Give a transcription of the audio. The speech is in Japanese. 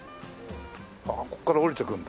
ああここから下りていくんだ。